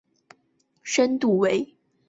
深度为。